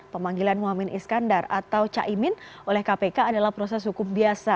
pemanggilan muhamad iskandar atau caimin oleh kpk adalah proses hukum biasa